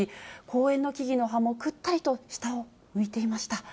公園の木々の葉もくったりと下を向いていました。